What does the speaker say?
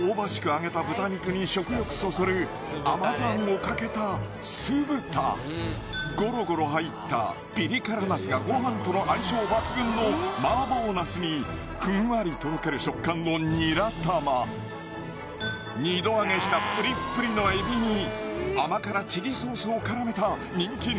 揚げた豚肉に食欲そそる甘酢あんをかけた酢豚ゴロゴロ入ったピリ辛ナスがごはんとの相性抜群の麻婆茄子にふんわりとろける食感のニラ玉２度揚げしたプリップリのエビに甘辛チリソースを絡めた人気Ｎｏ．１